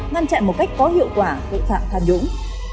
ngăn chặn một cách có hiệu quả tội phạm tham nhũng